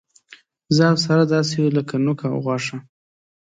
زه او ساره داسې یو لک نوک او غوښه.